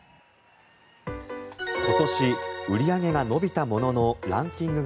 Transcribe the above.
今年、売り上げが伸びたもののランキングが